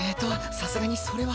さすがにそれは。